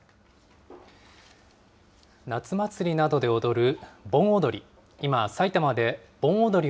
夏祭りなどで踊る盆踊り。